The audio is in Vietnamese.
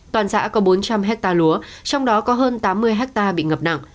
toàn xã có bốn trăm linh hectare lúa trong đó có hơn tám mươi hectare bị ngập nặng